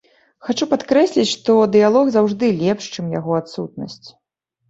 Хачу падкрэсліць, што дыялог заўжды лепш, чым яго адсутнасць.